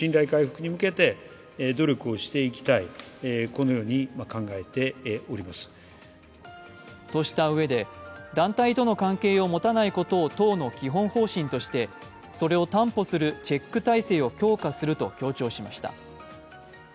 この結果に岸田総理はとしたうえで、団体との関係を持たないことを党の基本方針として、それを担保するチェック体制を強化すると強調しました。